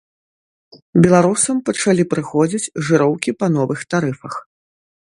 Беларусам пачалі прыходзіць жыроўкі па новых тарыфах.